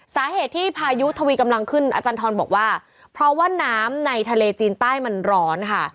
สาเหตุที่พายุทวีกำลังขึ้นอาจารย์ทรบอกว่าเพราะว่าน้ำในทะเลจีนใต้มันร้อนค่ะ